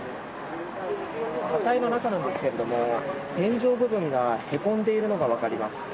車体の中なんですが天井部分がへこんでいるのがわかります。